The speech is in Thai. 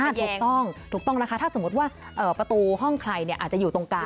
ถูกต้องถูกต้องนะคะถ้าสมมุติว่าประตูห้องใครอาจจะอยู่ตรงกลาง